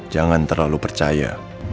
jangan terlalu percaya